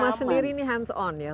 dan buma sendiri hands on ya